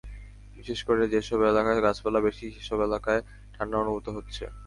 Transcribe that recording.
বিশেষ করে যেসব এলাকায় গাছপালা বেশি সেসব এলাকায় ঠান্ডা অনুভূত হচ্ছে।